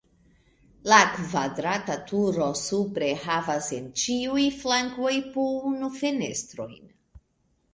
La kvadrata turo supre havas en ĉiuj flankoj po unu fenestrojn.